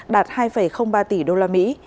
đạt hai ba tỷ usd